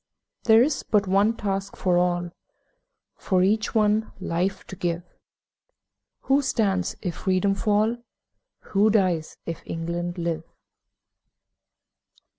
There is but one task for all One life for each to give Who stands if Freedom fall? Who dies if England live?